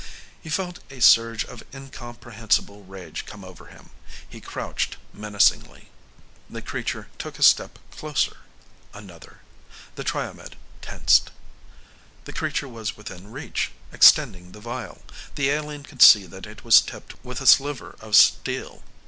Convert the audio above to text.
He felt a surge of incomprehensible rage come over him he crouched menacingly. The creature took a step closer. Another. The Triomed tensed. The creature was within reach, extending the vial. The alien could see that it was tipped with a sliver of steel.